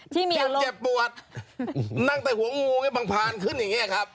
เจ็บปวดนั่งใต้หัวงูไงบางพันขึ้นอย่างเงี้ยครับ